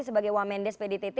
sebagai wamendes pdtt